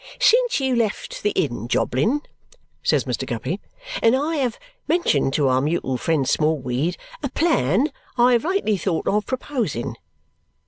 "Since you left the Inn, Jobling," says Mr. Guppy; "and I have mentioned to our mutual friend Smallweed a plan I have lately thought of proposing.